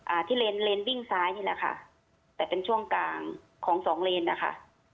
อ่าที่เลนเลนวิ่งซ้ายนี่แหละค่ะแต่เป็นช่วงกลางของสองเลนนะคะ